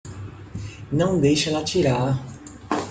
Não deixe ela atirar.